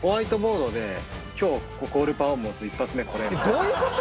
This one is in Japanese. どういうこと！？